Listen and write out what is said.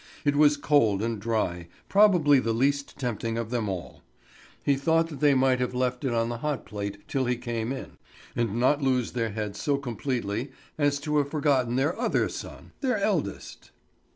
It was cold and dry, probably the least tempting of them all. He thought that they might have left it on the hot plate till he came in, and not lose their heads so completely as to have forgotten their other son, their eldest.